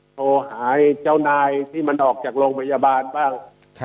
โทรหาเจ้านายที่มันออกจากโรงพยาบาลบ้าง